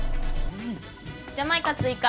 ジャマイカ追加。